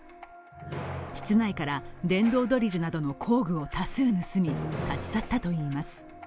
室内から電動ドリルなどの工具を多数盗み、立ち去ったといいます。